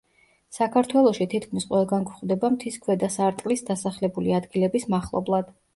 საქართველოში თითქმის ყველგან გვხვდება მთის ქვედა სარტყლის დასახლებული ადგილების მახლობლად.